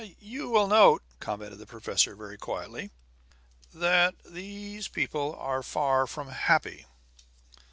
"You will note," commented the professor very quietly, "that these people are far from happy."